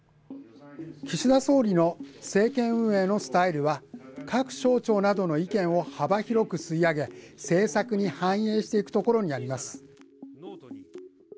岸田総理の政権運営のスタイルは各省庁などの意見を幅広く吸い上げ、政策に反映していくところにあります。